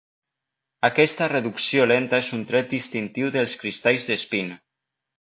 Aquesta reducció lenta és un tret distintiu dels cristalls d'espín.